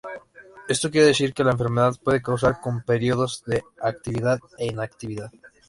Esto quiere decir que la enfermedad puede cursar con períodos de actividad e inactividad.